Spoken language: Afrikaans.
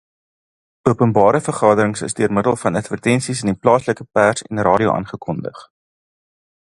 Openbare vergaderings is deur middel van advertensies in die plaaslike pers en radio aangekondig.